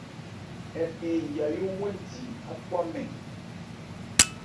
Npi Yayó wɛn di ákwámɛn.